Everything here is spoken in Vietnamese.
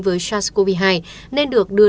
với sars cov hai nên được đưa